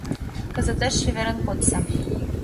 Кызытеш чеверын кодса!